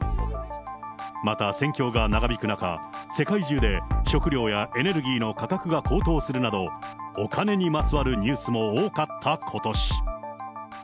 また、戦況が長引く中、世界中で食料やエネルギーの価格が高騰するなど、お金にまつわるニュースも多かったことし。